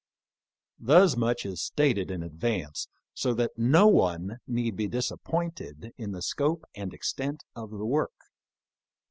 Thus much is stated in advance, so that no one need be disappointed in the scope and extent of the work.